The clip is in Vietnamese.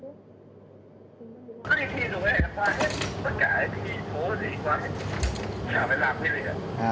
chẳng phải làm cái gì hết